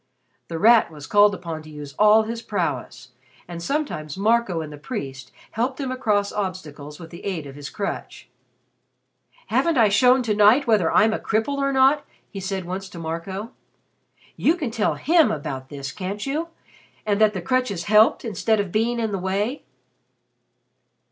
The Rat was called upon to use all his prowess, and sometimes Marco and the priest helped him across obstacles with the aid of his crutch. "Haven't I shown to night whether I'm a cripple or not?" he said once to Marco. "You can tell him about this, can't you? And that the crutches helped instead of being in the way?"